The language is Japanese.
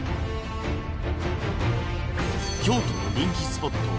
［京都の人気スポット